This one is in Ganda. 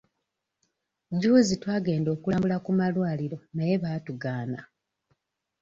Jjuuzi twagenda okulambula ku malwaliro naye baatugaana.